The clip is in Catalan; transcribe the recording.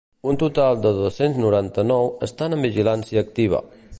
Un total de dos-cents noranta-nou estan en vigilància activa.